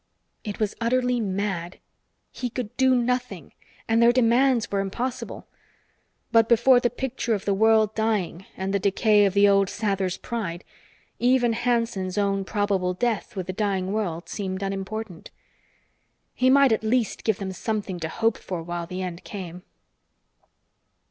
It was utterly mad. He could do nothing, and their demands were impossible. But before the picture of the world dying and the decay of the old Sather's pride, even Hanson's own probable death with the dying world seemed unimportant. He might at least give them something to hope for while the end came.